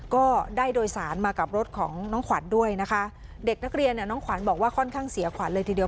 ก็ได้โดยสารมากับรถของน้องขวัญด้วยนะคะเด็กนักเรียนเนี่ยน้องขวัญบอกว่าค่อนข้างเสียขวัญเลยทีเดียว